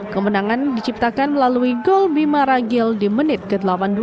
kemenangan diciptakan melalui gol bima ragil di menit ke delapan puluh dua